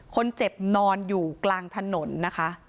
คนเจ็บนอนอยู่กลางถนนนะคะ